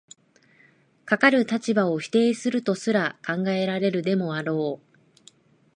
かかる立場を否定するとすら考えられるでもあろう。